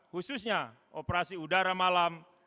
khususnya operasi udara malam